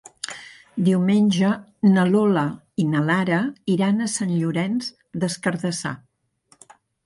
Diumenge na Lola i na Lara iran a Sant Llorenç des Cardassar.